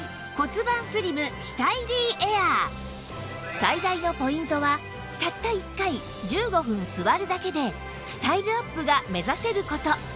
最大のポイントはたった１回１５分座るだけでスタイルアップが目指せる事